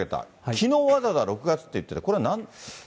きのうわざわざ６月って言ってて、これはなんで？